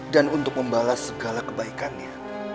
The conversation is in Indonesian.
dan untuk membalas segala kebaikannya